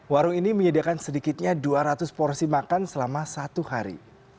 warung ini menyediakan sedikitnya dua ratus porsi makan selama satu hari